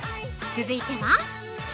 続いては？